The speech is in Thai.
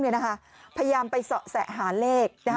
พยายามไปเสาะแสหาเลข